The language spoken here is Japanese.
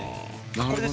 これです。